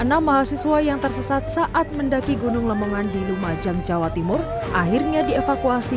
enam mahasiswa yang tersesat saat mendaki gunung lemongan di lumajang jawa timur akhirnya dievakuasi